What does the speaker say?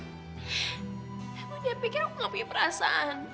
emang dia pikir aku gak punya perasaan